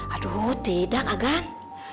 aduh tidak agang